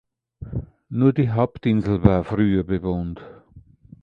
Nur die Hauptinsel war früher bewohnt.